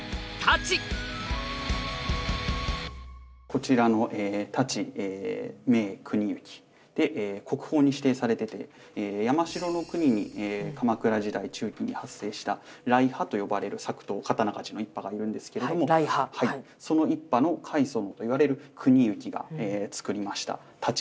こちらの「太刀銘国行」で国宝に指定されてて山城国に鎌倉時代中期に発生した来派と呼ばれる作刀刀鍛冶の一派がいるんですけれどもその一派の開祖といわれる国行が作りました太刀ですね。